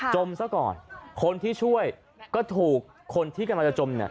มซะก่อนคนที่ช่วยก็ถูกคนที่กำลังจะจมเนี่ย